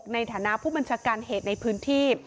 ในฐานะผู้บัญชาการเหตุในพื้นที่